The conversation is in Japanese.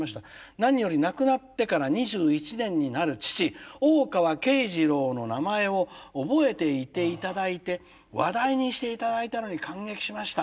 何より亡くなってから２１年になる父大川慶次郎の名前を覚えていて頂いて話題にして頂いたのに感激しました。